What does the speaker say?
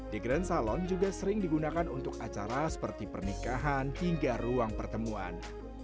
di grand salon juga sering digunakan untuk acara seperti pernikahan hingga ruang pertemuan